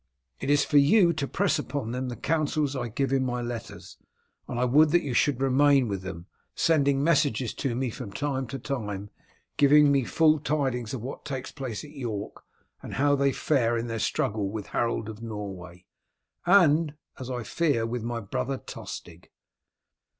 It is for you to press upon them the counsels I give in my letters; and I would that you should remain with them, sending messages to me from time to time, giving me full tidings of what takes place at York and how they fare in their struggle with Harold of Norway, and, as I fear, with my brother Tostig.